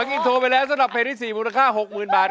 อินโทรไปแล้วสำหรับเพลงที่๔มูลค่า๖๐๐๐บาท